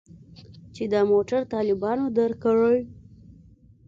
چې دا موټر طالبانو درکړى.